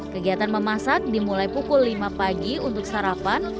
kegiatan memasak dimulai pukul lima pagi untuk sarapan